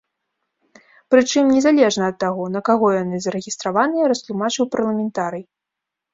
Прычым незалежна ад таго, на каго яны зарэгістраваныя, растлумачыў парламентарый.